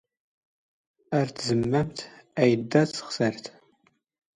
ⴰⵔ ⵜⵜⵣⵎⵎⴰⵎ ⴰⵢⴷⴷⴰ ⵜⵙⵅⵙⴰⵔⴷ.